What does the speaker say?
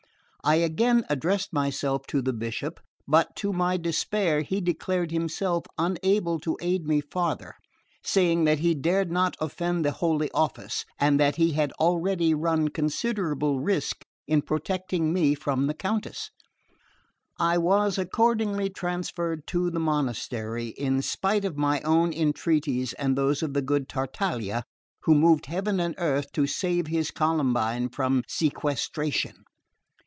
I again addressed myself to the Bishop, but to my despair he declared himself unable to aid me farther, saying that he dared not offend the Holy Office, and that he had already run considerable risk in protecting me from the Countess. I was accordingly transferred to the monastery, in spite of my own entreaties and those of the good Tartaglia, who moved heaven and earth to save his Columbine from sequestration.